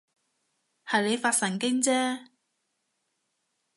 係你發神經啫